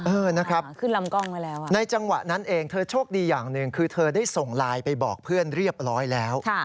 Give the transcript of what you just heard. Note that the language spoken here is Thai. เออนะครับในจังหวะนั้นเองเธอโชคดีอย่างหนึ่งคือเธอได้ส่งไลน์ไปบอกเพื่อนเรียบร้อยแล้ว